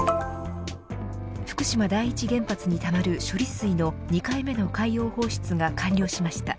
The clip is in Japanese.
福島第一原発にたまる処理水の２回目の海洋放出が完了しました。